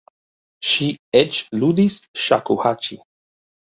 Ŝi eĉ ludis ŝakuhaĉi.